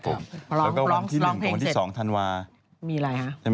เราก็วางคนที่สองทอนวาน